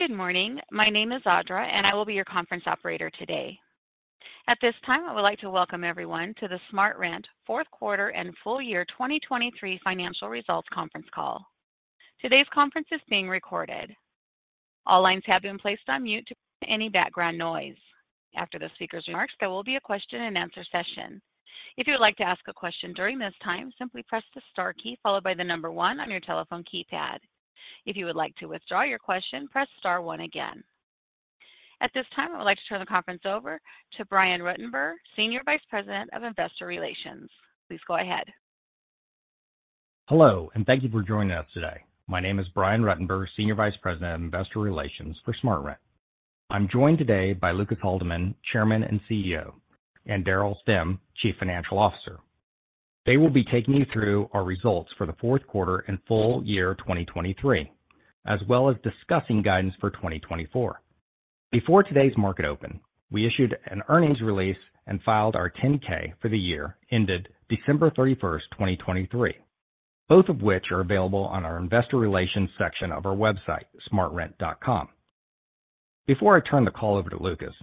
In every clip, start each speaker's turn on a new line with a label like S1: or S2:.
S1: Good morning. My name is Audra, and I will be your conference operator today. At this time, I would like to welcome everyone to the SmartRent fourth quarter and full year 2023 financial results conference call. Today's conference is being recorded. All lines have been placed on mute to prevent any background noise. After the speaker's remarks, there will be a question-and-answer session. If you would like to ask a question during this time, simply press the star key followed by the number 1 on your telephone keypad. If you would like to withdraw your question, press star 1 again. At this time, I would like to turn the conference over to Brian Ruttenberg, Senior Vice President of Investor Relations. Please go ahead.
S2: Hello, and thank you for joining us today. My name is Brian Ruttenbur, Senior Vice President of Investor Relations for SmartRent. I'm joined today by Lucas Haldeman, Chairman and CEO, and Daryl Stemm, Chief Financial Officer. They will be taking you through our results for the fourth quarter and full year 2023, as well as discussing guidance for 2024. Before today's market open, we issued an earnings release and filed our 10-K for the year ended December 31st, 2023, both of which are available on our Investor Relations section of our website, smartrent.com. Before I turn the call over to Lucas,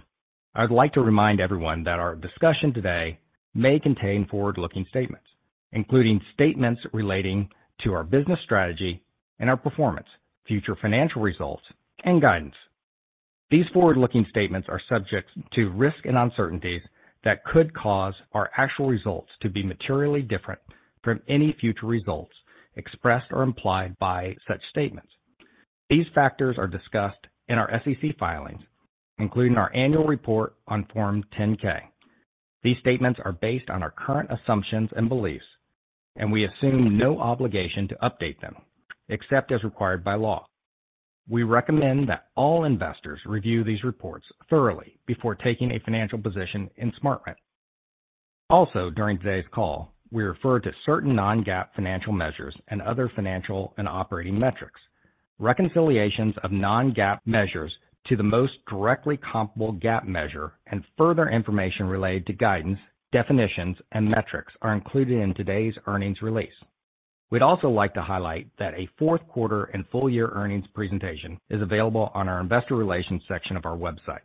S2: I would like to remind everyone that our discussion today may contain forward-looking statements, including statements relating to our business strategy and our performance, future financial results, and guidance. These forward-looking statements are subject to risk and uncertainties that could cause our actual results to be materially different from any future results expressed or implied by such statements. These factors are discussed in our SEC filings, including our annual report on Form 10-K. These statements are based on our current assumptions and beliefs, and we assume no obligation to update them except as required by law. We recommend that all investors review these reports thoroughly before taking a financial position in SmartRent. Also, during today's call, we refer to certain non-GAAP financial measures and other financial and operating metrics. Reconciliations of non-GAAP measures to the most directly comparable GAAP measure and further information related to guidance, definitions, and metrics are included in today's earnings release. We'd also like to highlight that a fourth quarter and full year earnings presentation is available on our Investor Relations section of our website.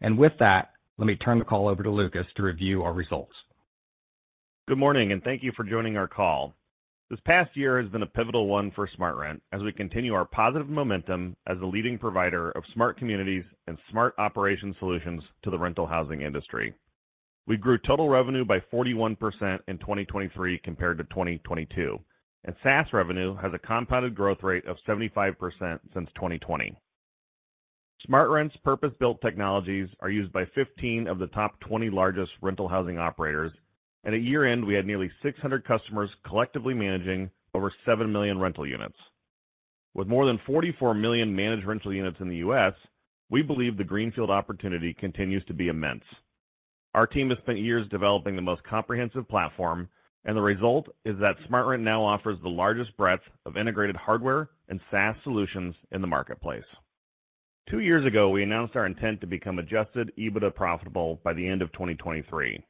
S2: With that, let me turn the call over to Lucas to review our results.
S3: Good morning, and thank you for joining our call. This past year has been a pivotal one for SmartRent as we continue our positive momentum as a leading provider of smart communities and smart operations solutions to the rental housing industry. We grew total revenue by 41% in 2023 compared to 2022, and SaaS revenue has a compounded growth rate of 75% since 2020. SmartRent's purpose-built technologies are used by 15 of the top 20 largest rental housing operators, and at year-end, we had nearly 600 customers collectively managing over 7 million rental units. With more than 44 million managed rental units in the U.S., we believe the greenfield opportunity continues to be immense. Our team has spent years developing the most comprehensive platform, and the result is that SmartRent now offers the largest breadth of integrated hardware and SaaS solutions in the marketplace. Two years ago, we announced our intent to become Adjusted EBITDA profitable by the end of 2023.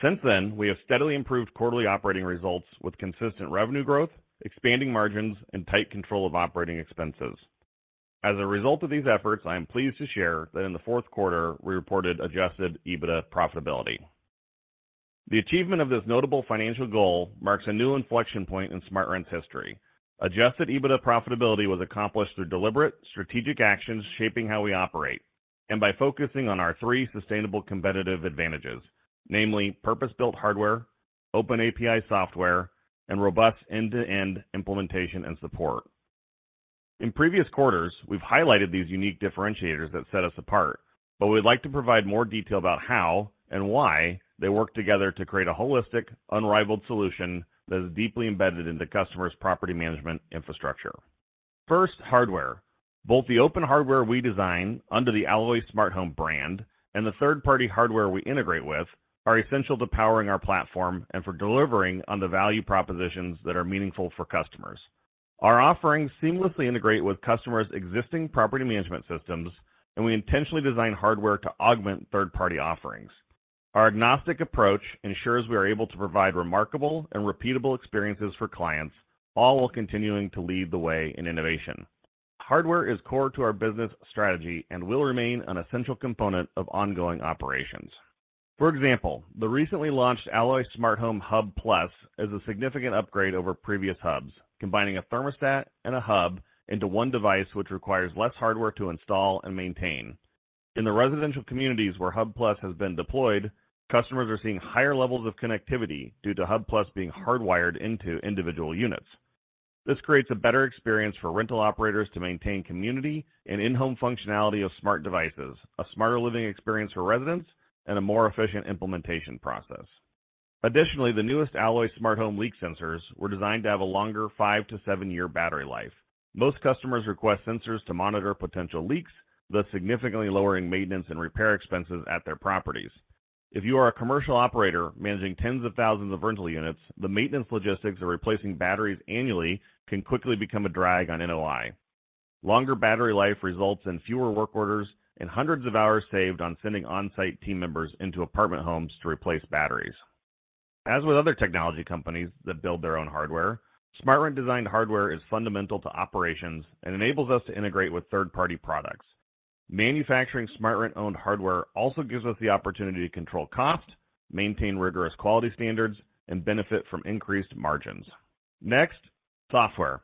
S3: Since then, we have steadily improved quarterly operating results with consistent revenue growth, expanding margins, and tight control of operating expenses. As a result of these efforts, I am pleased to share that in the fourth quarter, we reported Adjusted EBITDA profitability. The achievement of this notable financial goal marks a new inflection point in SmartRent's history. Adjusted EBITDA profitability was accomplished through deliberate, strategic actions shaping how we operate and by focusing on our three sustainable competitive advantages, namely purpose-built hardware, open API software, and robust end-to-end implementation and support. In previous quarters, we've highlighted these unique differentiators that set us apart, but we'd like to provide more detail about how and why they work together to create a holistic, unrivaled solution that is deeply embedded into customers' property management infrastructure. First, hardware. Both the open hardware we design under the Alloy SmartHome brand and the third-party hardware we integrate with are essential to powering our platform and for delivering on the value propositions that are meaningful for customers. Our offerings seamlessly integrate with customers' existing property management systems, and we intentionally design hardware to augment third-party offerings. Our agnostic approach ensures we are able to provide remarkable and repeatable experiences for clients, all while continuing to lead the way in innovation. Hardware is core to our business strategy and will remain an essential component of ongoing operations. For example, the recently launched Alloy SmartHome Hub+ is a significant upgrade over previous hubs, combining a thermostat and a hub into one device which requires less hardware to install and maintain. In the residential communities where Hub+ has been deployed, customers are seeing higher levels of connectivity due to Hub+ being hardwired into individual units. This creates a better experience for rental operators to maintain community and in-home functionality of smart devices, a smarter living experience for residents, and a more efficient implementation process. Additionally, the newest Alloy SmartHome Leak Sensors were designed to have a longer 5-7-year battery life. Most customers request sensors to monitor potential leaks, thus significantly lowering maintenance and repair expenses at their properties. If you are a commercial operator managing tens of thousands of rental units, the maintenance logistics of replacing batteries annually can quickly become a drag on NOI. Longer battery life results in fewer work orders and hundreds of hours saved on sending on-site team members into apartment homes to replace batteries. As with other technology companies that build their own hardware, SmartRent-designed hardware is fundamental to operations and enables us to integrate with third-party products. Manufacturing SmartRent-owned hardware also gives us the opportunity to control cost, maintain rigorous quality standards, and benefit from increased margins. Next, software.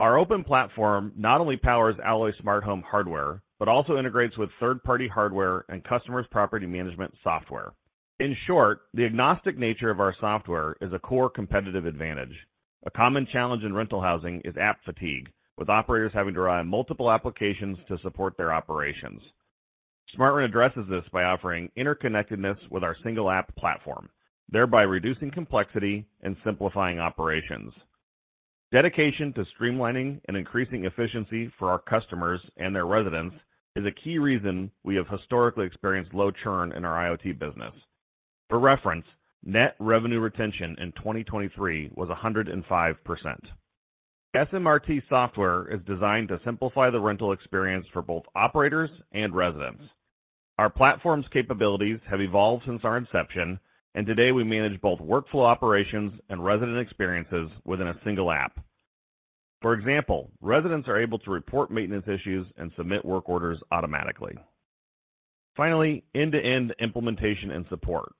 S3: Our open platform not only powers Alloy SmartHome hardware but also integrates with third-party hardware and customers' property management software. In short, the agnostic nature of our software is a core competitive advantage. A common challenge in rental housing is app fatigue, with operators having to rely on multiple applications to support their operations. SmartRent addresses this by offering interconnectedness with our single-app platform, thereby reducing complexity and simplifying operations. Dedication to streamlining and increasing efficiency for our customers and their residents is a key reason we have historically experienced low churn in our IoT business. For reference, Net Revenue Retention in 2023 was 105%. SMRT software is designed to simplify the rental experience for both operators and residents. Our platform's capabilities have evolved since our inception, and today we manage both workflow operations and resident experiences within a single app. For example, residents are able to report maintenance issues and submit work orders automatically. Finally, end-to-end implementation and support.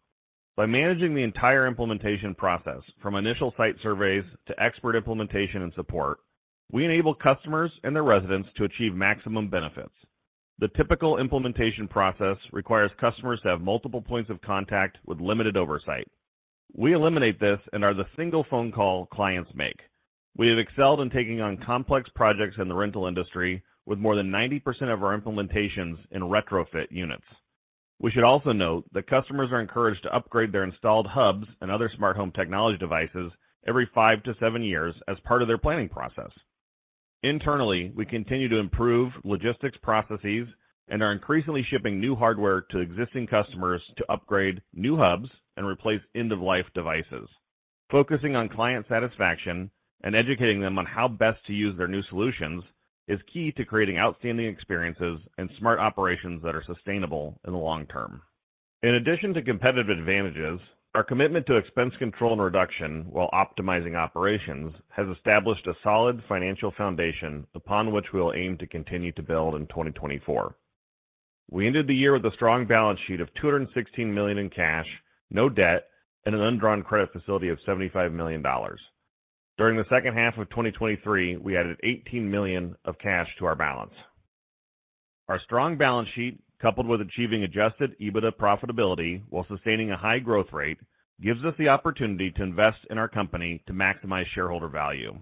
S3: By managing the entire implementation process from initial site surveys to expert implementation and support, we enable customers and their residents to achieve maximum benefits. The typical implementation process requires customers to have multiple points of contact with limited oversight. We eliminate this and are the single phone call clients make. We have excelled in taking on complex projects in the rental industry with more than 90% of our implementations in retrofit units. We should also note that customers are encouraged to upgrade their installed hubs and other smart home technology devices every 5-7 years as part of their planning process. Internally, we continue to improve logistics processes and are increasingly shipping new hardware to existing customers to upgrade new hubs and replace end-of-life devices. Focusing on client satisfaction and educating them on how best to use their new solutions is key to creating outstanding experiences and smart operations that are sustainable in the long term. In addition to competitive advantages, our commitment to expense control and reduction while optimizing operations has established a solid financial foundation upon which we will aim to continue to build in 2024. We ended the year with a strong balance sheet of $216 million in cash, no debt, and an undrawn credit facility of $75 million. During the second half of 2023, we added $18 million of cash to our balance. Our strong balance sheet, coupled with achieving Adjusted EBITDA profitability while sustaining a high growth rate, gives us the opportunity to invest in our company to maximize shareholder value.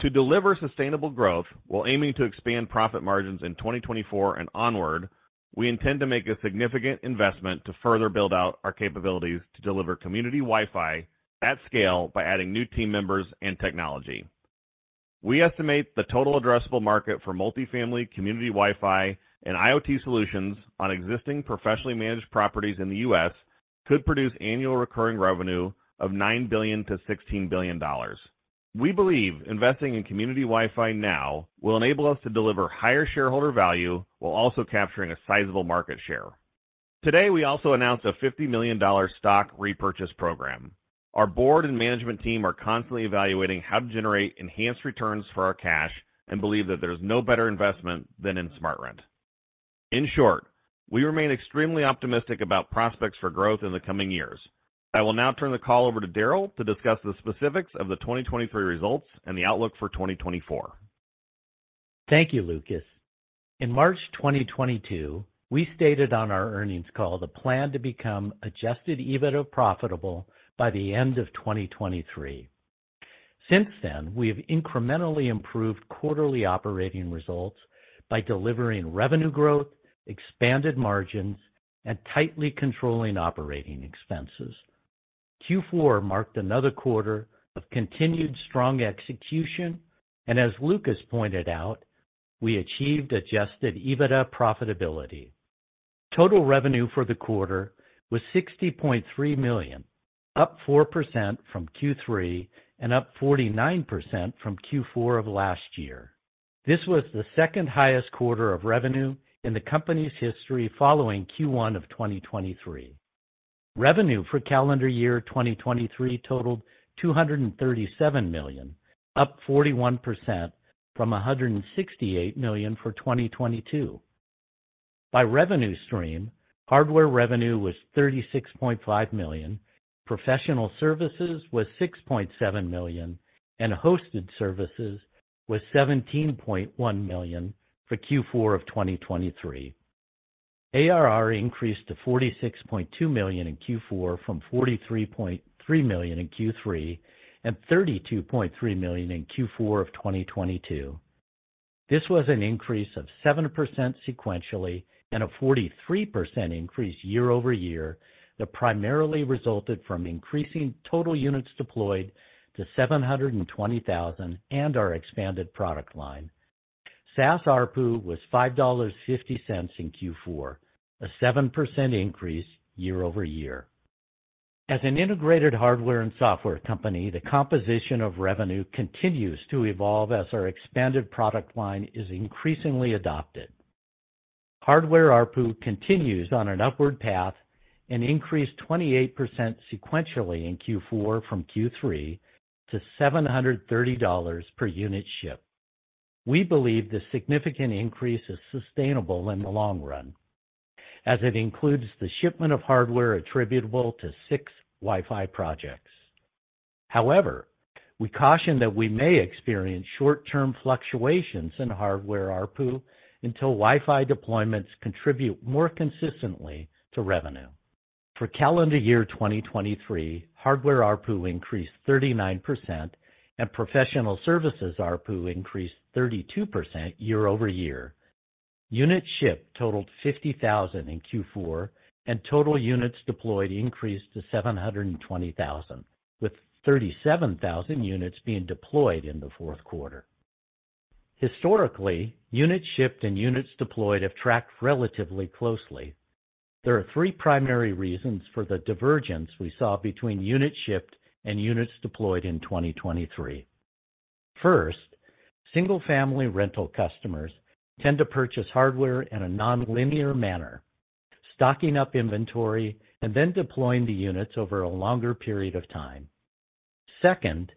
S3: To deliver sustainable growth while aiming to expand profit margins in 2024 and onward, we intend to make a significant investment to further build out our capabilities to deliver Community WiFi at scale by adding new team members and technology. We estimate the total addressable market for multifamily Community WiFi and IoT solutions on existing professionally managed properties in the U.S. could produce annual recurring revenue of $9 billion-$16 billion. We believe investing in Community WiFi now will enable us to deliver higher shareholder value while also capturing a sizable market share. Today, we also announced a $50 million stock repurchase program. Our board and management team are constantly evaluating how to generate enhanced returns for our cash and believe that there's no better investment than in SmartRent. In short, we remain extremely optimistic about prospects for growth in the coming years. I will now turn the call over to Daryl to discuss the specifics of the 2023 results and the outlook for 2024.
S4: Thank you, Lucas. In March 2022, we stated on our earnings call the plan to become Adjusted EBITDA profitable by the end of 2023. Since then, we have incrementally improved quarterly operating results by delivering revenue growth, expanded margins, and tightly controlling operating expenses. Q4 marked another quarter of continued strong execution, and as Lucas pointed out, we achieved Adjusted EBITDA profitability. Total revenue for the quarter was $60.3 million, up 4% from Q3 and up 49% from Q4 of last year. This was the second-highest quarter of revenue in the company's history following Q1 of 2023. Revenue for calendar year 2023 totaled $237 million, up 41% from $168 million for 2022. By revenue stream, hardware revenue was $36.5 million, professional services was $6.7 million, and hosted services was $17.1 million for Q4 of 2023. ARR increased to $46.2 million in Q4 from $43.3 million in Q3 and $32.3 million in Q4 of 2022. This was an increase of 7% sequentially and a 43% increase year-over-year that primarily resulted from increasing total units deployed to 720,000 and our expanded product line. SaaS ARPU was $5.50 in Q4, a 7% increase year-over-year. As an integrated hardware and software company, the composition of revenue continues to evolve as our expanded product line is increasingly adopted. Hardware ARPU continues on an upward path and increased 28% sequentially in Q4 from Q3 to $730 per unit shipped. We believe this significant increase is sustainable in the long run as it includes the shipment of hardware attributable to six Wi-Fi projects. However, we caution that we may experience short-term fluctuations in hardware ARPU until Wi-Fi deployments contribute more consistently to revenue. For calendar year 2023, hardware ARPU increased 39% and professional services ARPU increased 32% year-over-year. Units shipped totaled 50,000 in Q4, and total units deployed increased to 720,000, with 37,000 units being deployed in the fourth quarter. Historically, units shipped and units deployed have tracked relatively closely. There are three primary reasons for the divergence we saw between units shipped and units deployed in 2023. First, single-family rental customers tend to purchase hardware in a nonlinear manner, stocking up inventory and then deploying the units over a longer period of time. Second,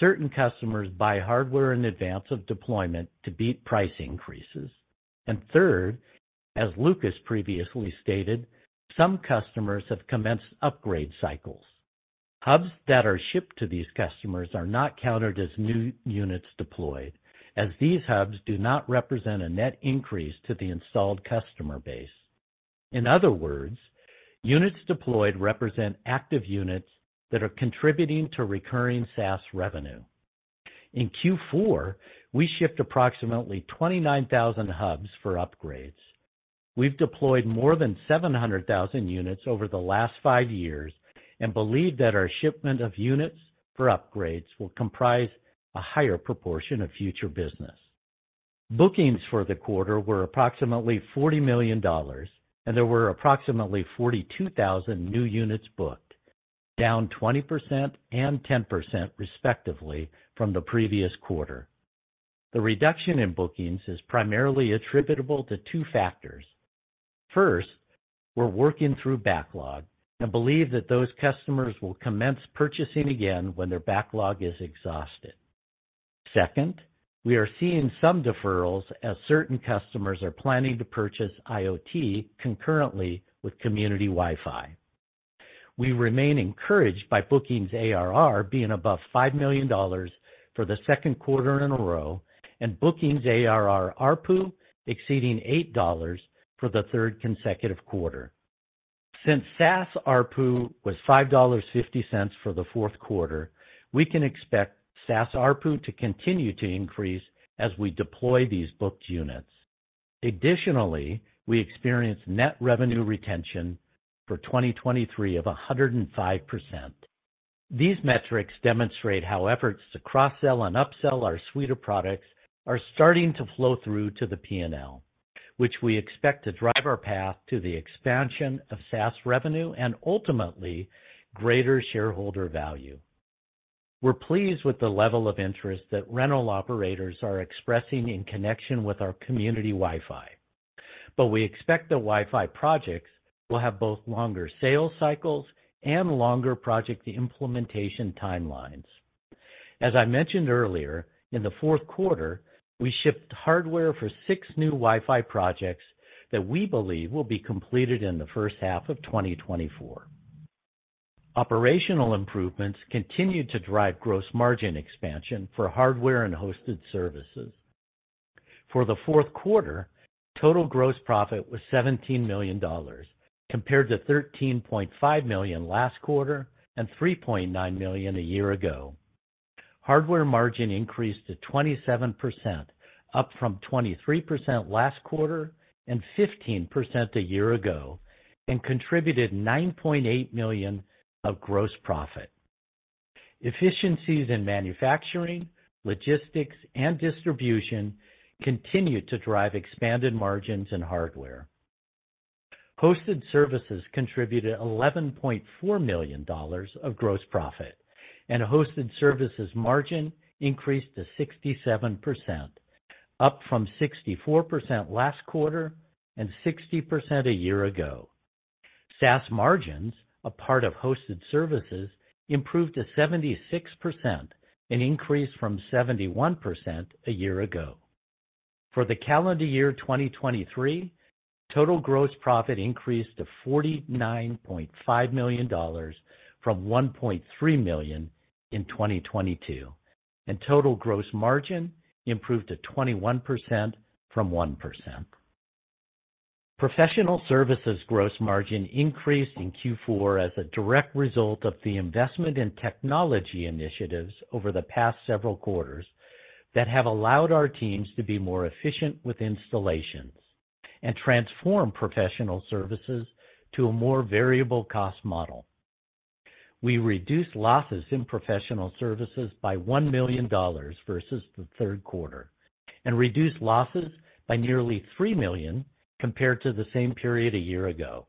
S4: certain customers buy hardware in advance of deployment to beat price increases. And third, as Lucas previously stated, some customers have commenced upgrade cycles. Hubs that are shipped to these customers are not counted as new units deployed, as these hubs do not represent a net increase to the installed customer base. In other words, units deployed represent active units that are contributing to recurring SaaS revenue. In Q4, we shipped approximately 29,000 hubs for upgrades. We've deployed more than 700,000 units over the last five years and believe that our shipment of units for upgrades will comprise a higher proportion of future business. Bookings for the quarter were approximately $40 million, and there were approximately 42,000 new units booked, down 20% and 10% respectively from the previous quarter. The reduction in bookings is primarily attributable to two factors. First, we're working through backlog and believe that those customers will commence purchasing again when their backlog is exhausted. Second, we are seeing some deferrals as certain customers are planning to purchase IoT concurrently with Community WiFi. We remain encouraged by bookings ARR being above $5 million for the second quarter in a row and bookings ARR ARPU exceeding $8 for the third consecutive quarter. Since SaaS ARPU was $5.50 for the fourth quarter, we can expect SaaS ARPU to continue to increase as we deploy these booked units. Additionally, we experienced net revenue retention for 2023 of 105%. These metrics demonstrate how efforts to cross-sell and upsell our suite of products are starting to flow through to the P&L, which we expect to drive our path to the expansion of SaaS revenue and ultimately greater shareholder value. We're pleased with the level of interest that rental operators are expressing in connection with our Community WiFi, but we expect the WiFi projects will have both longer sales cycles and longer project implementation timelines. As I mentioned earlier, in the fourth quarter, we shipped hardware for six new Wi-Fi projects that we believe will be completed in the first half of 2024. Operational improvements continue to drive gross margin expansion for hardware and hosted services. For the fourth quarter, total gross profit was $17 million compared to $13.5 million last quarter and $3.9 million a year ago. Hardware margin increased to 27%, up from 23% last quarter and 15% a year ago, and contributed $9.8 million of gross profit. Efficiencies in manufacturing, logistics, and distribution continue to drive expanded margins in hardware. Hosted services contributed $11.4 million of gross profit, and hosted services margin increased to 67%, up from 64% last quarter and 60% a year ago. SaaS margins, a part of hosted services, improved to 76%, an increase from 71% a year ago. For the calendar year 2023, total gross profit increased to $49.5 million from $1.3 million in 2022, and total gross margin improved to 21% from 1%. Professional services gross margin increased in Q4 as a direct result of the investment in technology initiatives over the past several quarters that have allowed our teams to be more efficient with installations and transform professional services to a more variable cost model. We reduced losses in professional services by $1 million versus the third quarter and reduced losses by nearly $3 million compared to the same period a year ago.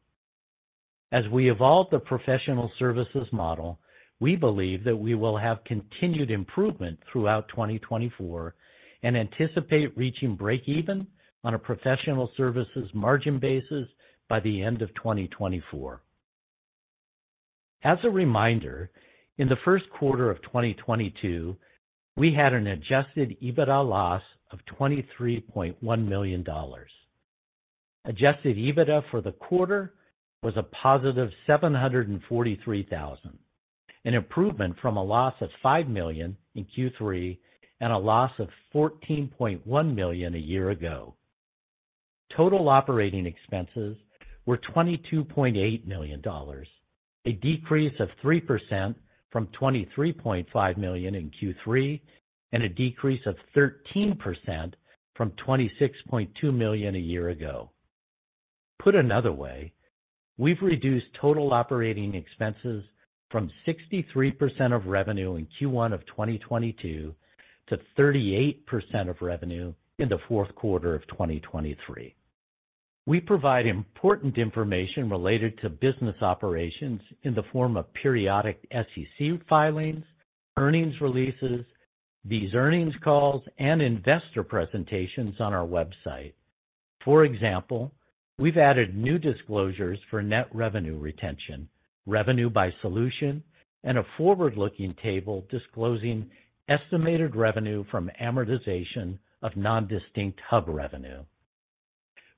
S4: As we evolve the professional services model, we believe that we will have continued improvement throughout 2024 and anticipate reaching break-even on a professional services margin basis by the end of 2024. As a reminder, in the first quarter of 2022, we had an Adjusted EBITDA loss of $23.1 million. Adjusted EBITDA for the quarter was a positive $743,000, an improvement from a loss of $5 million in Q3 and a loss of $14.1 million a year ago. Total operating expenses were $22.8 million, a decrease of 3% from $23.5 million in Q3 and a decrease of 13% from $26.2 million a year ago. Put another way, we've reduced total operating expenses from 63% of revenue in Q1 of 2022 to 38% of revenue in the fourth quarter of 2023. We provide important information related to business operations in the form of periodic SEC filings, earnings releases, these earnings calls, and investor presentations on our website. For example, we've added new disclosures for net revenue retention, revenue by solution, and a forward-looking table disclosing estimated revenue from amortization of nondistinct hub revenue.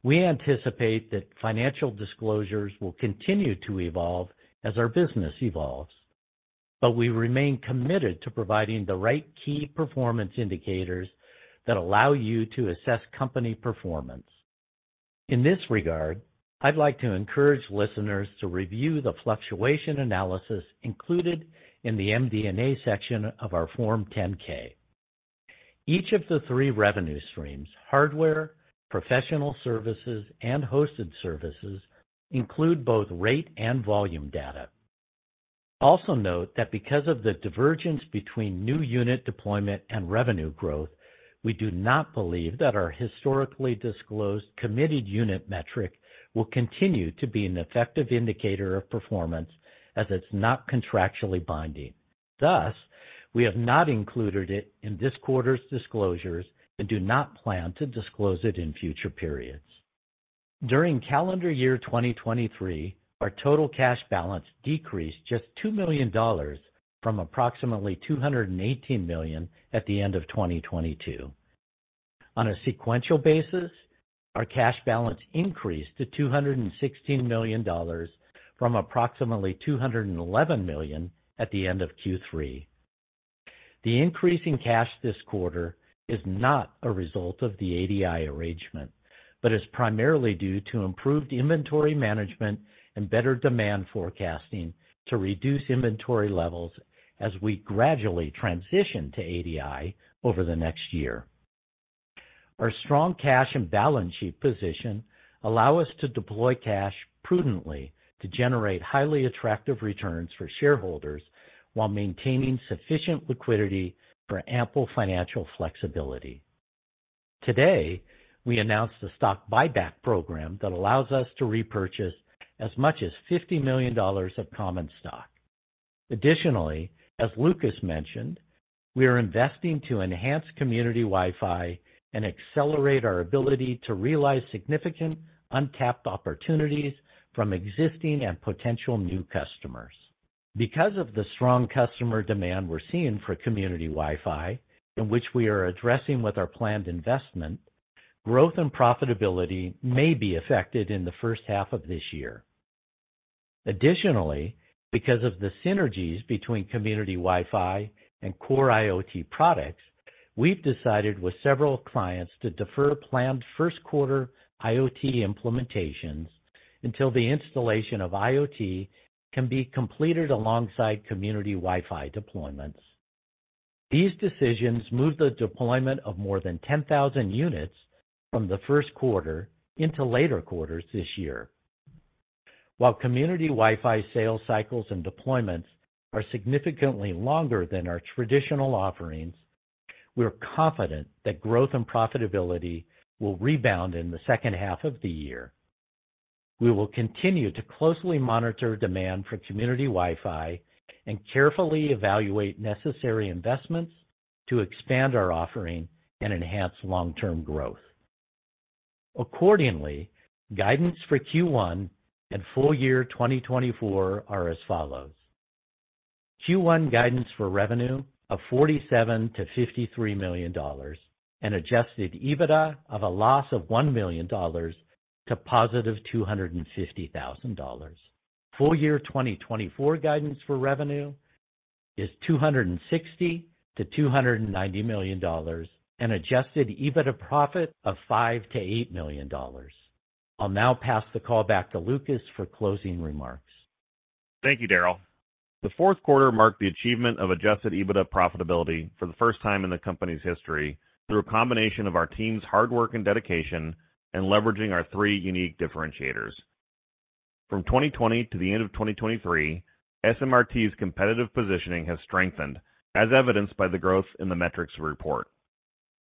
S4: We anticipate that financial disclosures will continue to evolve as our business evolves, but we remain committed to providing the right key performance indicators that allow you to assess company performance. In this regard, I'd like to encourage listeners to review the fluctuation analysis included in the MD&A section of our Form 10-K. Each of the three revenue streams, hardware, professional services, and hosted services, include both rate and volume data. Also note that because of the divergence between new unit deployment and revenue growth, we do not believe that our historically disclosed committed unit metric will continue to be an effective indicator of performance as it's not contractually binding. Thus, we have not included it in this quarter's disclosures and do not plan to disclose it in future periods. During calendar year 2023, our total cash balance decreased just $2 million from approximately $218 million at the end of 2022. On a sequential basis, our cash balance increased to $216 million from approximately $211 million at the end of Q3. The increase in cash this quarter is not a result of the ADI arrangement but is primarily due to improved inventory management and better demand forecasting to reduce inventory levels as we gradually transition to ADI over the next year. Our strong cash and balance sheet position allow us to deploy cash prudently to generate highly attractive returns for shareholders while maintaining sufficient liquidity for ample financial flexibility. Today, we announced a stock buyback program that allows us to repurchase as much as $50 million of common stock. Additionally, as Lucas mentioned, we are investing to enhance Community WiFi and accelerate our ability to realize significant untapped opportunities from existing and potential new customers. Because of the strong customer demand we're seeing for Community WiFi and which we are addressing with our planned investment, growth and profitability may be affected in the first half of this year. Additionally, because of the synergies between Community WiFi and core IoT products, we've decided with several clients to defer planned first quarter IoT implementations until the installation of IoT can be completed alongside Community WiFi deployments. These decisions move the deployment of more than 10,000 units from the first quarter into later quarters this year. While Community WiFi sales cycles and deployments are significantly longer than our traditional offerings, we're confident that growth and profitability will rebound in the second half of the year. We will continue to closely monitor demand for Community WiFi and carefully evaluate necessary investments to expand our offering and enhance long-term growth. Accordingly, guidance for Q1 and full year 2024 are as follows: Q1 guidance for revenue of $47-$53 million and Adjusted EBITDA of a loss of $1 million to positive $250,000. Full year 2024 guidance for revenue is $260-$290 million and Adjusted EBITDA profit of $5-$8 million. I'll now pass the call back to Lucas for closing remarks.
S3: Thank you, Daryl. The fourth quarter marked the achievement of Adjusted EBITDA profitability for the first time in the company's history through a combination of our team's hard work and dedication and leveraging our three unique differentiators. From 2020 to the end of 2023, SMRT's competitive positioning has strengthened, as evidenced by the growth in the metrics report.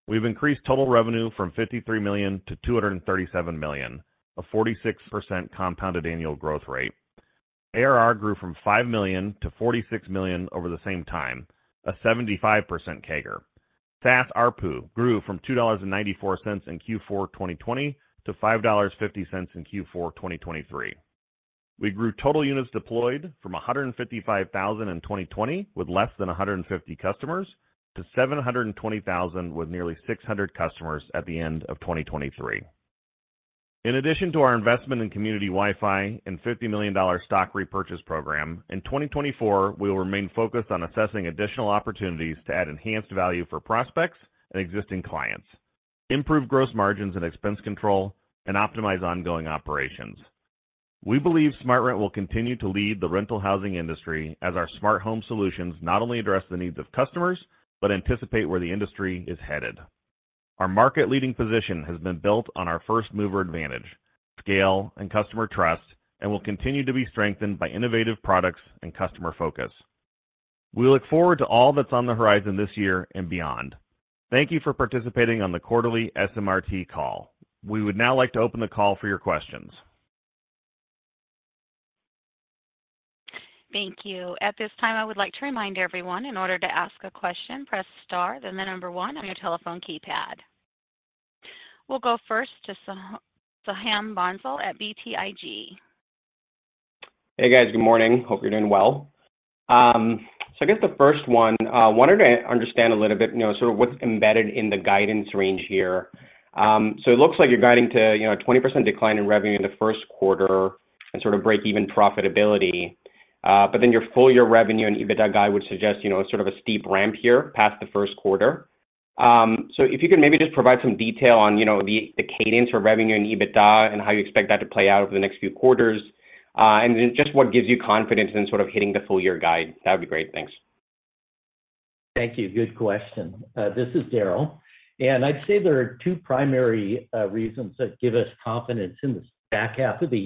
S3: We've increased total revenue from $53 million to $237 million, a 46% compound annual growth rate. ARR grew from $5 million to $46 million over the same time, a 75% CAGR. SaaS ARPU grew from $2.94 in Q4 2020 to $5.50 in Q4 2023. We grew total units deployed from 155,000 in 2020 with less than 150 customers to 720,000 with nearly 600 customers at the end of 2023. In addition to our investment in Community WiFi and $50 million stock repurchase program, in 2024, we will remain focused on assessing additional opportunities to add enhanced value for prospects and existing clients, improve gross margins and expense control, and optimize ongoing operations. We believe SmartRent will continue to lead the rental housing industry as our smart home solutions not only address the needs of customers but anticipate where the industry is headed. Our market-leading position has been built on our first mover advantage, scale, and customer trust, and will continue to be strengthened by innovative products and customer focus. We look forward to all that's on the horizon this year and beyond. Thank you for participating on the quarterly SMRT call. We would now like to open the call for your questions.
S1: Thank you. At this time, I would like to remind everyone, in order to ask a question, press star, then the number one on your telephone keypad. We'll go first to Soham Bhonsle at BTIG.
S5: Hey guys, good morning. Hope you're doing well. So I guess the first one, I wanted to understand a little bit sort of what's embedded in the guidance range here. So it looks like you're guiding to a 20% decline in revenue in the first quarter and sort of break-even profitability, but then your full year revenue and EBITDA guide would suggest sort of a steep ramp here past the first quarter. So if you can maybe just provide some detail on the cadence for revenue and EBITDA and how you expect that to play out over the next few quarters, and then just what gives you confidence in sort of hitting the full year guide, that would be great. Thanks.
S4: Thank you. Good question. This is Daryl. I'd say there are two primary reasons that give us confidence in the back half of the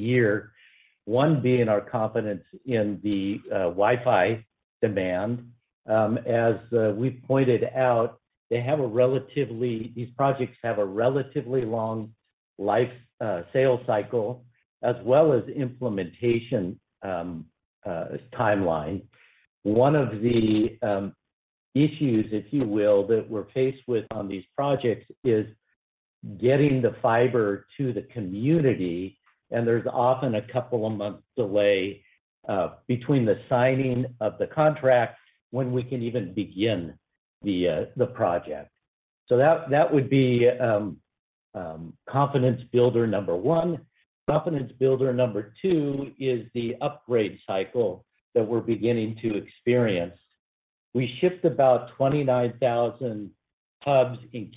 S4: year, one being our confidence in the Wi-Fi demand. As we pointed out, these projects have a relatively long life sales cycle as well as implementation timeline. One of the issues, if you will, that we're faced with on these projects is getting the fiber to the community, and there's often a couple of months delay between the signing of the contract when we can even begin the project. So that would be confidence builder number one. Confidence builder number two is the upgrade cycle that we're beginning to experience. We shipped about 29,000 hubs in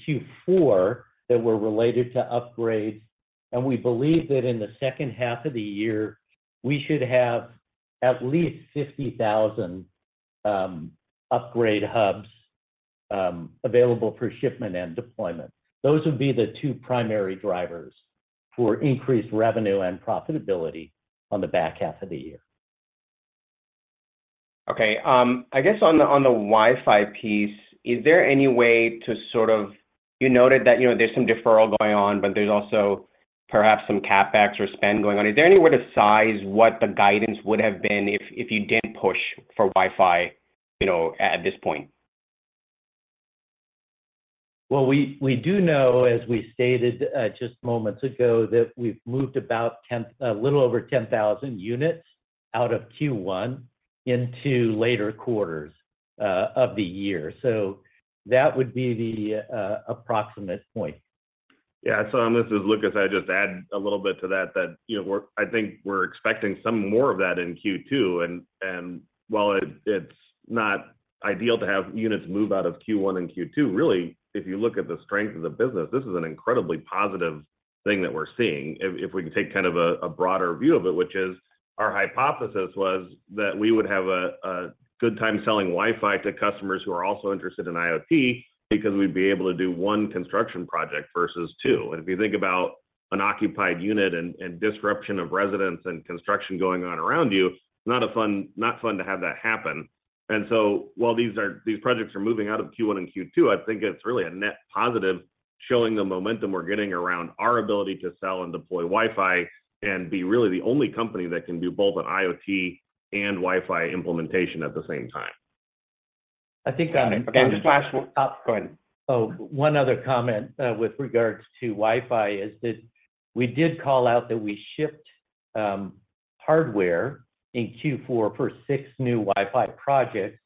S4: Q4 that were related to upgrades, and we believe that in the second half of the year, we should have at least 50,000 upgrade hubs available for shipment and deployment. Those would be the two primary drivers for increased revenue and profitability on the back half of the year.
S5: Okay. I guess on the Wi-Fi piece, is there any way to sort of, you noted that there's some deferral going on, but there's also perhaps some CapEx or spend going on? Is there any way to size what the guidance would have been if you didn't push for Wi-Fi at this point?
S4: Well, we do know, as we stated just moments ago, that we've moved about 10, a little over 10,000 units out of Q1 into later quarters of the year. So that would be the approximate point.
S3: Yeah. So this is Lucas. I'd just add a little bit to that, that I think we're expecting some more of that in Q2. And while it's not ideal to have units move out of Q1 and Q2, really, if you look at the strength of the business, this is an incredibly positive thing that we're seeing. If we can take kind of a broader view of it, which is our hypothesis was that we would have a good time selling Wi-Fi to customers who are also interested in IoT because we'd be able to do one construction project versus two. And if you think about unoccupied unit and disruption of residents and construction going on around you, it's not fun to have that happen. And so while these projects are moving out of Q1 and Q2, I think it's really a net positive showing the momentum we're getting around our ability to sell and deploy Wi-Fi and be really the only company that can do both an IoT and Wi-Fi implementation at the same time.
S4: I think I'm just going to.
S3: Again, just last one.
S4: Oh, go ahead. Oh, one other comment with regards to Wi-Fi is that we did call out that we shipped hardware in Q4 for 6 new Wi-Fi projects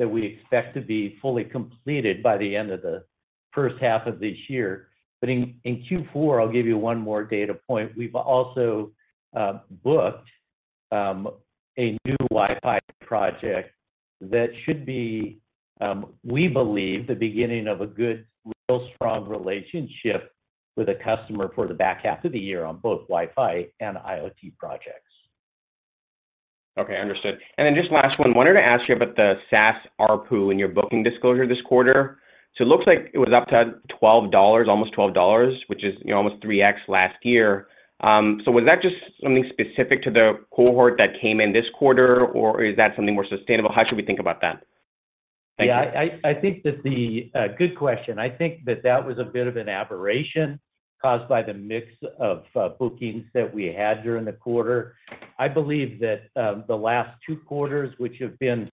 S4: that we expect to be fully completed by the end of the first half of this year. But in Q4, I'll give you one more data point. We've also booked a new Wi-Fi project that should be, we believe, the beginning of a good, real strong relationship with a customer for the back half of the year on both Wi-Fi and IoT projects.
S5: Okay. Understood. And then just last one, wanted to ask you about the SaaS ARPU in your booking disclosure this quarter. So it looks like it was up to $12, almost $12, which is almost 3x last year. So was that just something specific to the cohort that came in this quarter, or is that something more sustainable? How should we think about that?
S4: Yeah. I think that's a good question. I think that that was a bit of an aberration caused by the mix of bookings that we had during the quarter. I believe that the last two quarters, which have been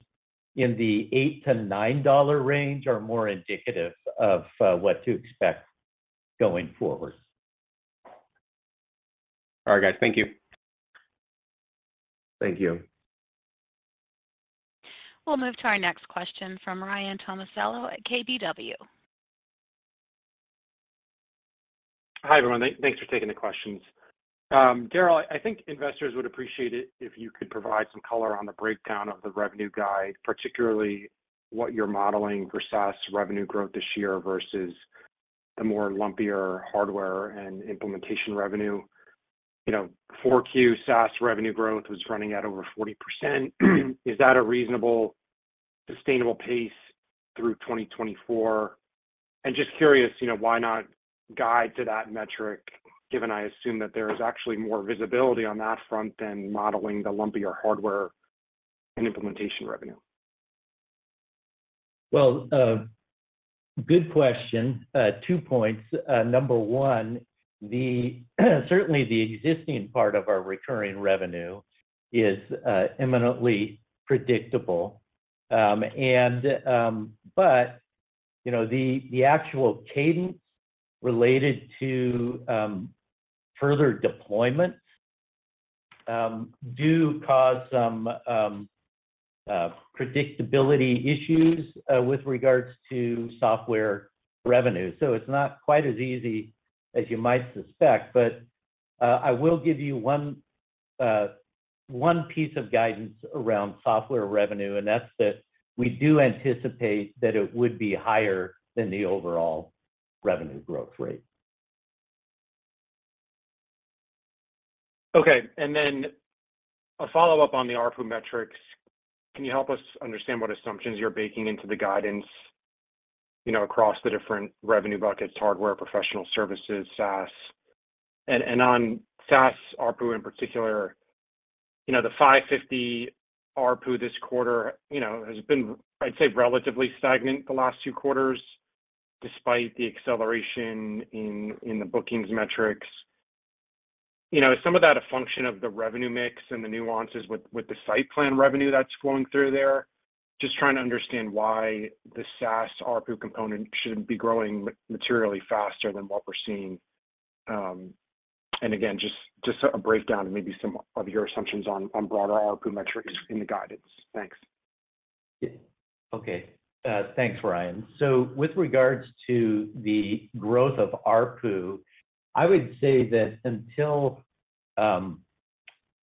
S4: in the $8-$9 range, are more indicative of what to expect going forward.
S5: All right, guys. Thank you.
S4: Thank you.
S1: We'll move to our next question from Ryan Tomasello at KBW.
S6: Hi everyone. Thanks for taking the questions. Daryl, I think investors would appreciate it if you could provide some color on the breakdown of the revenue guide, particularly what you're modeling for SaaS revenue growth this year versus the more lumpier hardware and implementation revenue. 4Q SaaS revenue growth was running at over 40%. Is that a reasonable, sustainable pace through 2024? And just curious, why not guide to that metric, given I assume that there is actually more visibility on that front than modeling the lumpier hardware and implementation revenue?
S4: Well, good question. 2 points. Number 1, certainly the existing part of our recurring revenue is eminently predictable. But the actual cadence related to further deployments do cause some predictability issues with regards to software revenue. So it's not quite as easy as you might suspect. But I will give you one piece of guidance around software revenue, and that's that we do anticipate that it would be higher than the overall revenue growth rate.
S6: Okay. And then a follow-up on the ARPU metrics. Can you help us understand what assumptions you're baking into the guidance across the different revenue buckets - hardware, professional services, SaaS? And on SaaS ARPU in particular, the $550 ARPU this quarter has been, I'd say, relatively stagnant the last two quarters despite the acceleration in the bookings metrics. Is some of that a function of the revenue mix and the nuances with the site plan revenue that's flowing through there? Just trying to understand why the SaaS ARPU component shouldn't be growing materially faster than what we're seeing. And again, just a breakdown of maybe some of your assumptions on broader ARPU metrics in the guidance. Thanks.
S4: Okay. Thanks, Ryan. So with regards to the growth of ARPU, I would say that until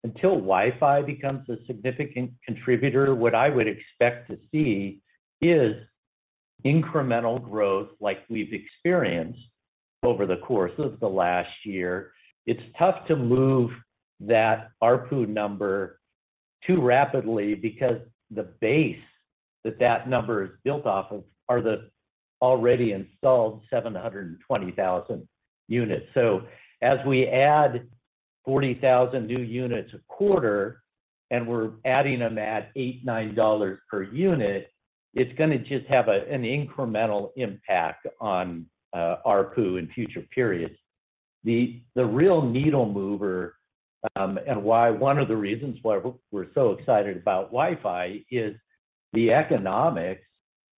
S4: Wi-Fi becomes a significant contributor, what I would expect to see is incremental growth like we've experienced over the course of the last year. It's tough to move that ARPU number too rapidly because the base that that number is built off of are the already installed 720,000 units. So as we add 40,000 new units a quarter and we're adding them at $8-$9 per unit, it's going to just have an incremental impact on ARPU in future periods. The real needle mover and one of the reasons why we're so excited about Wi-Fi is the economics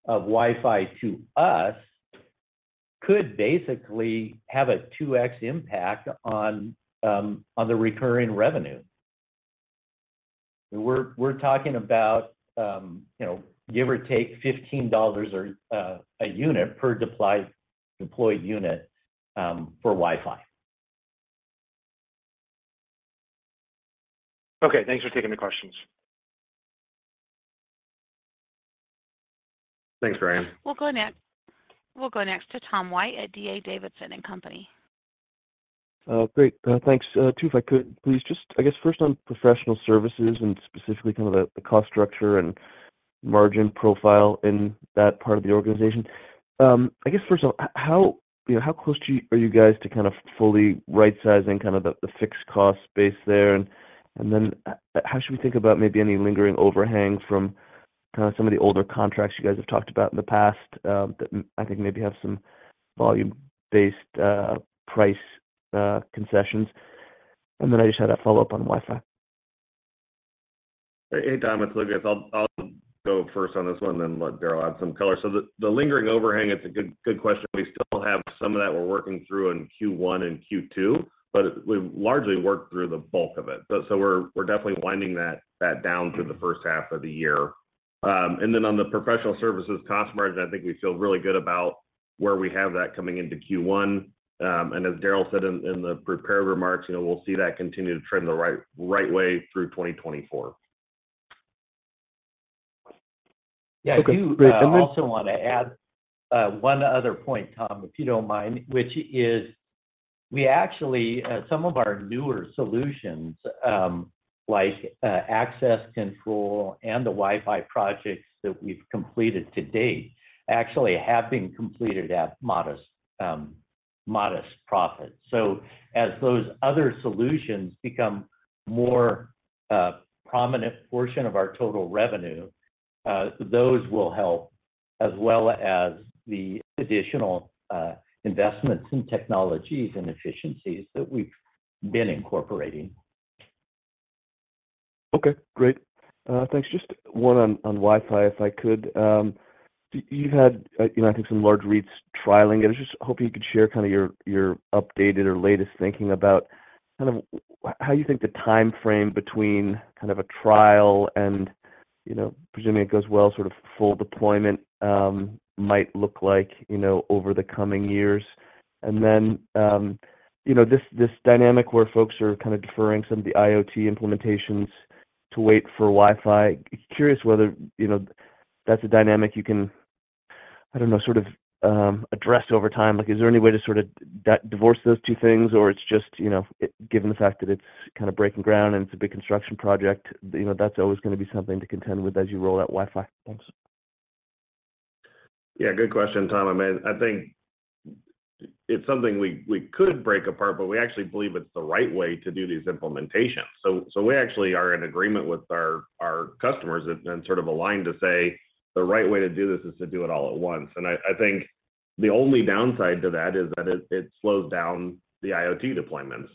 S4: of Wi-Fi to us could basically have a 2X impact on the recurring revenue. We're talking about, give or take, $15 a unit per deployed unit for Wi-Fi.
S6: Okay. Thanks for taking the questions.
S4: Thanks, Ryan.
S2: We'll go next. We'll go next to Tom White at D.A. Davidson and Company.
S7: Great. Thanks. Two, if I could please, just I guess first on professional services and specifically kind of the cost structure and margin profile in that part of the organization. I guess first of all, how close are you guys to kind of fully right-sizing kind of the fixed cost base there? And then how should we think about maybe any lingering overhangs from kind of some of the older contracts you guys have talked about in the past that I think maybe have some volume-based price concessions? And then I just had a follow-up on Wi-Fi.
S3: Hey, Tom. It's Lucas. I'll go first on this one and then let Daryl add some color. So the lingering overhang, it's a good question. We still have some of that we're working through in Q1 and Q2, but we've largely worked through the bulk of it. So we're definitely winding that down through the first half of the year. And then on the professional services cost margin, I think we feel really good about where we have that coming into Q1. And as Daryl said in the prepared remarks, we'll see that continue to trend the right way through 2024.
S4: Yeah. I do also want to add one other point, Tom, if you don't mind, which is we actually some of our newer solutions, like access control and the Wi-Fi projects that we've completed to date, actually have been completed at modest profits. So as those other solutions become a more prominent portion of our total revenue, those will help as well as the additional investments in technologies and efficiencies that we've been incorporating.
S8: Okay. Great. Thanks. Just one on Wi-Fi, if I could. You've had, I think, some large REITs trialing it. I was just hoping you could share kind of your updated or latest thinking about kind of how you think the time frame between kind of a trial and, presuming it goes well, sort of full deployment might look like over the coming years. And then this dynamic where folks are kind of deferring some of the IoT implementations to wait for Wi-Fi, curious whether that's a dynamic you can, I don't know, sort of address over time. Is there any way to sort of divorce those two things, or it's just given the fact that it's kind of breaking ground and it's a big construction project, that's always going to be something to contend with as you roll out Wi-Fi? Thanks.
S3: Yeah. Good question, Tom. I mean, I think it's something we could break apart, but we actually believe it's the right way to do these implementations. We actually are in agreement with our customers and sort of aligned to say the right way to do this is to do it all at once. I think the only downside to that is that it slows down the IoT deployments.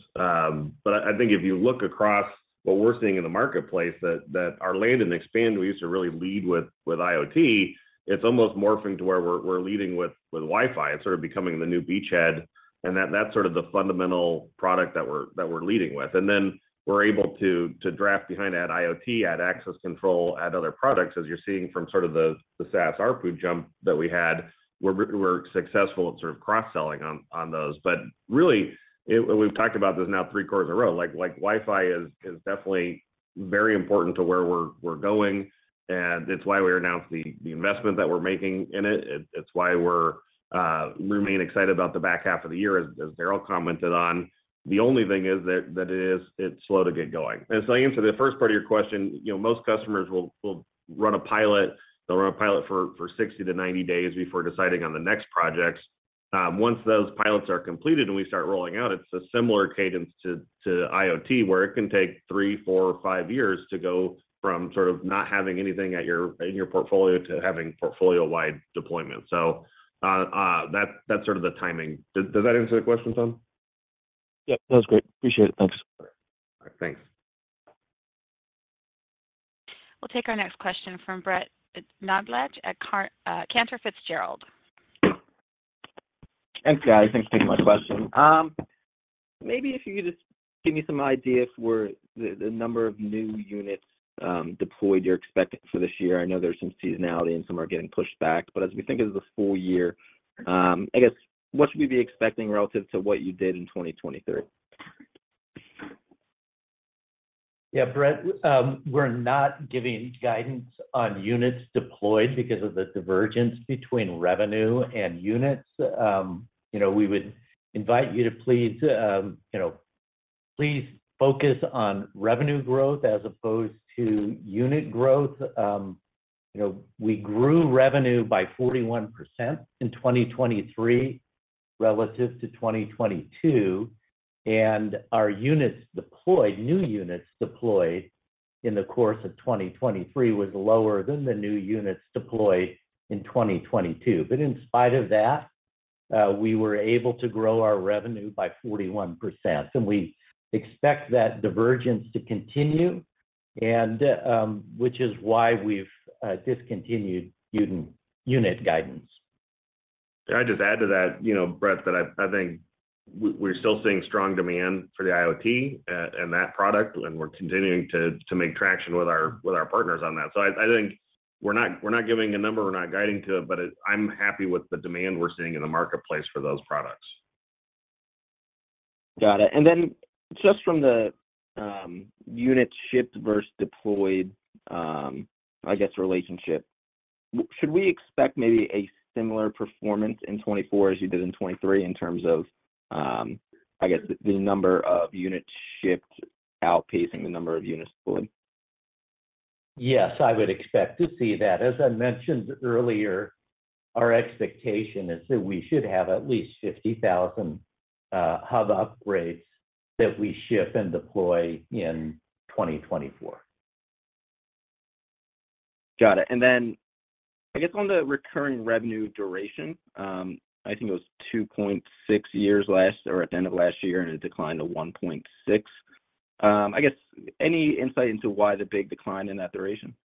S3: But I think if you look across what we're seeing in the marketplace that our land and expand, we used to really lead with IoT, it's almost morphing to where we're leading with Wi-Fi. It's sort of becoming the new beachhead. That's sort of the fundamental product that we're leading with. Then we're able to draft behind that IoT, add access control, add other products. As you're seeing from sort of the SaaS ARPU jump that we had, we're successful at sort of cross-selling on those. But really, we've talked about this now three quarters in a row. Wi-Fi is definitely very important to where we're going. And it's why we announced the investment that we're making in it. It's why we remain excited about the back half of the year, as Daryl commented on. The only thing is that it is slow to get going. And so to answer the first part of your question, most customers will run a pilot. They'll run a pilot for 60-90 days before deciding on the next projects. Once those pilots are completed and we start rolling out, it's a similar cadence to IoT where it can take 3-5 years to go from sort of not having anything in your portfolio to having portfolio-wide deployments. So that's sort of the timing. Does that answer the question, Tom?
S7: Yep. That was great. Appreciate it. Thanks.
S3: All right. Thanks.
S1: We'll take our next question from Brett Knoblauch at Cantor Fitzgerald.
S9: Hey, Scott. Thanks for taking my question. Maybe if you could just give me some idea for the number of new units deployed you're expecting for this year. I know there's some seasonality and some are getting pushed back. But as we think of the full year, I guess, what should we be expecting relative to what you did in 2023?
S4: Yeah, Brett, we're not giving guidance on units deployed because of the divergence between revenue and units. We would invite you to please focus on revenue growth as opposed to unit growth. We grew revenue by 41% in 2023 relative to 2022. And our new units deployed in the course of 2023 was lower than the new units deployed in 2022. But in spite of that, we were able to grow our revenue by 41%. And we expect that divergence to continue, which is why we've discontinued unit guidance.
S3: Can I just add to that, Brett, that I think we're still seeing strong demand for the IoT and that product, and we're continuing to make traction with our partners on that. So I think we're not giving a number. We're not guiding to it, but I'm happy with the demand we're seeing in the marketplace for those products.
S9: Got it. And then just from the unit shipped versus deployed, I guess, relationship, should we expect maybe a similar performance in 2024 as you did in 2023 in terms of, I guess, the number of units shipped outpacing the number of units deployed?
S4: Yes, I would expect to see that. As I mentioned earlier, our expectation is that we should have at least 50,000 hub upgrades that we ship and deploy in 2024.
S9: Got it. And then I guess on the recurring revenue duration, I think it was 2.6 years last or at the end of last year, and it declined to 1.6. I guess, any insight into why the big decline in that duration?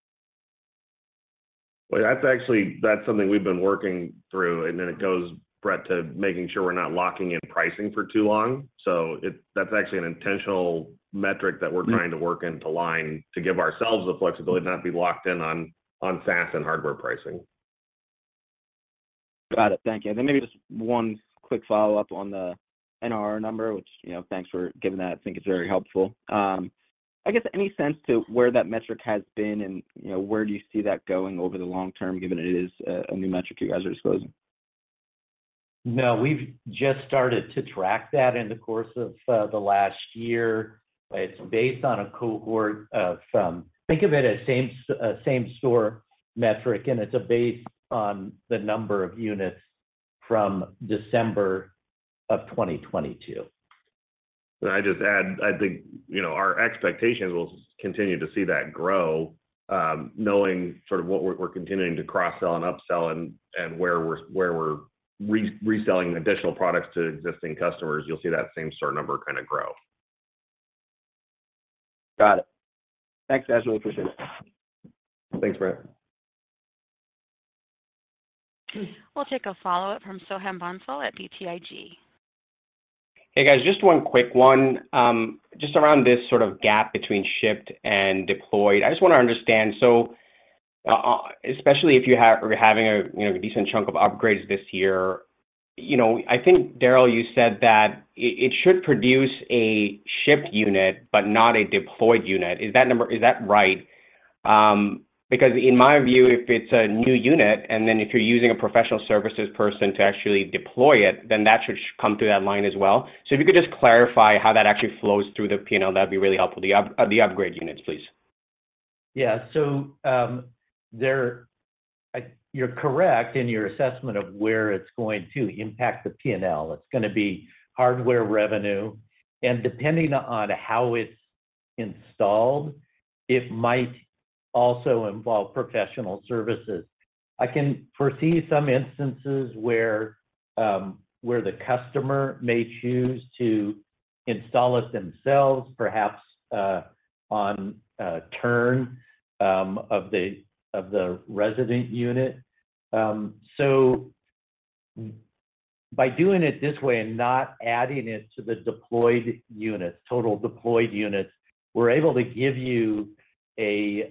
S4: Well, that's something we've been working through. And then it goes, Brett, to making sure we're not locking in pricing for too long. So that's actually an intentional metric that we're trying to work into line to give ourselves the flexibility to not be locked in on SaaS and hardware pricing.
S9: Got it. Thank you. And then maybe just one quick follow-up on the NRR number, which thanks for giving that. I think it's very helpful. I guess, any sense to where that metric has been and where do you see that going over the long term, given it is a new metric you guys are disclosing?
S4: No, we've just started to track that in the course of the last year. It's based on a cohort. Think of it as same-store metric, and it's based on the number of units from December of 2022.
S3: Can I just add? I think our expectation is we'll continue to see that grow knowing sort of what we're continuing to cross-sell and upsell and where we're reselling additional products to existing customers. You'll see that same-store number kind of grow.
S9: Got it. Thanks. Appreciate it.
S3: Thanks, Brent.
S1: We'll take a follow-up from Soham Bhonsle at BTIG.
S5: Hey, guys. Just one quick one. Just around this sort of gap between shipped and deployed, I just want to understand, so especially if you're having a decent chunk of upgrades this year, I think, Daryl, you said that it should produce a shipped unit but not a deployed unit. Is that right? Because in my view, if it's a new unit and then if you're using a professional services person to actually deploy it, then that should come through that line as well. So if you could just clarify how that actually flows through the P&L, that'd be really helpful. The upgrade units, please.
S4: Yeah. So you're correct in your assessment of where it's going to impact the P&L. It's going to be hardware revenue. And depending on how it's installed, it might also involve professional services. I can foresee some instances where the customer may choose to install it themselves, perhaps on turn of the resident unit. So by doing it this way and not adding it to the total deployed units, we're able to give you a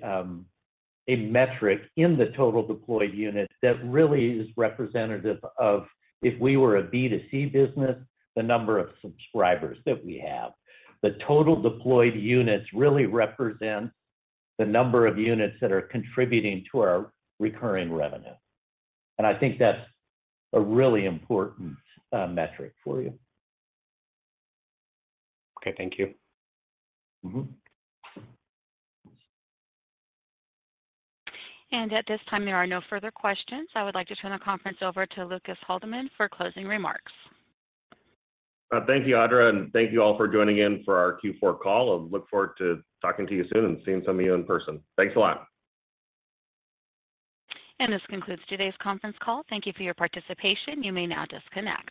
S4: metric in the total deployed units that really is representative of, if we were a B2C business, the number of subscribers that we have. The total deployed units really represent the number of units that are contributing to our recurring revenue. And I think that's a really important metric for you.
S5: Okay. Thank you.
S1: At this time, there are no further questions. I would like to turn the conference over to Lucas Haldeman for closing remarks.
S3: Thank you, Audra. Thank you all for joining in for our Q4 call. I look forward to talking to you soon and seeing some of you in person. Thanks a lot.
S1: This concludes today's conference call. Thank you for your participation. You may now disconnect.